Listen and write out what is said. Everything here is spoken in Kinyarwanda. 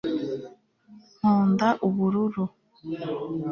nkunda ubururu